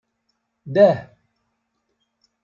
Dah.